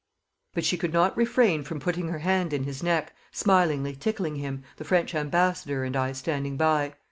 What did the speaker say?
But she could not refrain from putting her hand in his neck, smilingly tickling him, the French ambassador and I standing by.